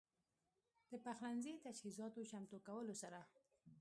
د پخلنځي تجهيزاتو چمتو کولو سره